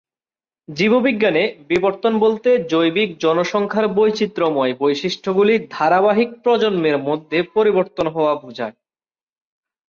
জীববিজ্ঞানে, বিবর্তন বলতে জৈবিক জনসংখ্যার বৈচিত্র্যময় বৈশিষ্ট্যগুলি ধারাবাহিক প্রজন্মের মধ্যে পরিবর্তন হওয়া বুঝায়।